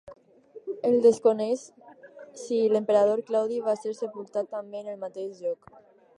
Es desconeix si l'emperador Claudi va ser sepultat també en el mateix lloc.